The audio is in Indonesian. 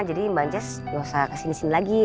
jadi mbak jess gak usah kesini sini lagi